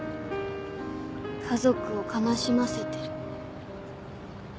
家族を悲しませてる。